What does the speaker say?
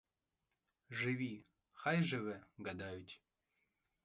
Живі хай живе гадають.